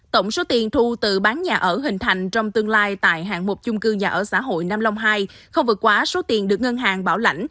tổng số tiền thu từ bán nhà ở hình thành trong tương lai tại hạng mục chung cư nhà ở xã hội nam long hai không vượt quá số tiền được ngân hàng bảo lãnh